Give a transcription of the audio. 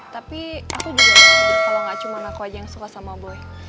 tapi aku juga yakin kalo gak cuma anakku aja yang suka sama boy